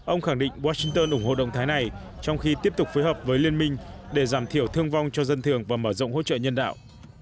ông khẳng định washington ủng hộ động thái này trong khi tiếp tục phối hợp với liên minh để giảm thiểu thương vong cho dân thường và mở rộng hỗ trợ nhân đạo